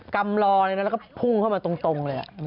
กำรอเลยนะแล้วก็พุ่งเข้ามาตรงเลย